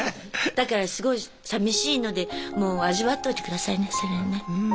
だからすごいさみしいのでもう味わっといてくださいねそれね。